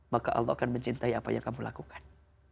maka allah akan mencintai apa yang kamu lakukan